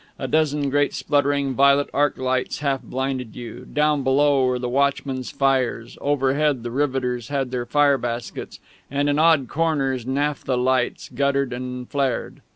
A dozen great spluttering violet arc lights half blinded you; down below were the watchmen's fires; overhead, the riveters had their fire baskets; and in odd corners naphtha lights guttered and flared.